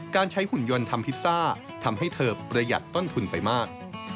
การใช้หุ่นยนต์ทำพิซซ่าทำให้เธอประหยัดต้นทุนไปมาก